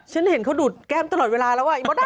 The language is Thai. ฉันเห็นเขาดูดแก้มตลอดเวลาแล้วอ่ะอีมดดำ